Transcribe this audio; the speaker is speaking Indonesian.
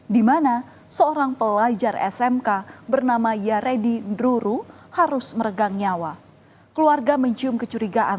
dimana seorang pelajar smk bernama yaredi druru harus meregang nyawa keluarga mencium kecurigaan